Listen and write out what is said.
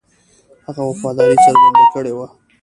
هغه وفاداري څرګنده کړې وه.